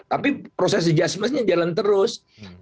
tapi proses adjustment nya jalan terus